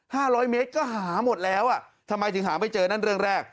หา๕๐๐เมตรก็หาหมดแล้วทำไมถึงหาไปเจอนั่นเรื่องแรก